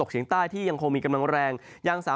จากนาง